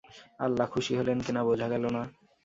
আল্লাহ খুশি হলেন কি না বোঝা গেল না।